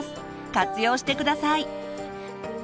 活用して下さい。